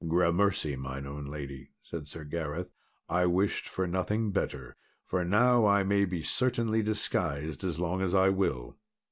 "Grammercy, mine own lady," said Sir Gareth, "I wished for nothing better, for now I may be certainly disguised as long as I will."